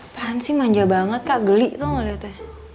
apaan sih manja banget kak geli tuh mau liatnya